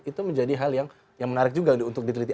itu menjadi hal yang menarik juga untuk diteliti